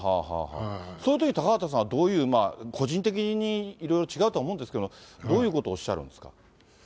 そのとき、高畑さんは、どういう、個人的にいろいろ違うとは思うんですけれども、どういうことをおっしゃるんですか。